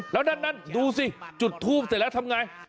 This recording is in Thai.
แล้วนั่นดูสิจุดทูปเสร็จแล้วทำไง